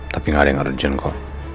tapi gak ada yang urgent kok